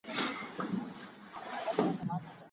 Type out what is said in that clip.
حلاله روزي ګټل پخپله يو عبادت دی.